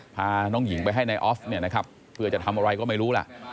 พาน้องหญิงไปให้นายออฟเนี่ยนะครับเพื่อจะทำอะไรก็ไม่รู้ล่ะ